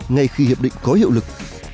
ngay khi hiệp định có hiệu lực